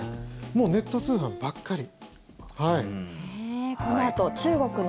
もうネット通販ばっかり。